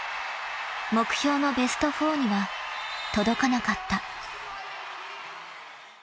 ［目標のベスト４には届かなかった］